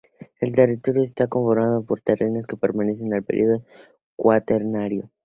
El territorio está conformado por terrenos que pertenecen al período cuaternario.